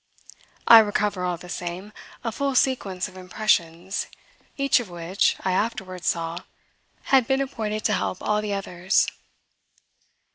I recover, all the same, a full sequence of impressions, each of which, I afterwards saw, had been appointed to help all the others.